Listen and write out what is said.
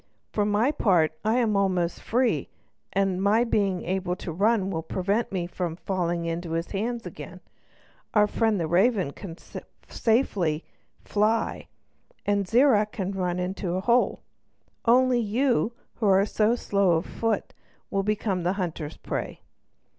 For my part I am almost free, and my being able to run will prevent me from falling into his hands again; our friend the raven can find safety in flight, and Zirac can run into any hole. Only you, who are so slow of foot, will become the hunter's prey."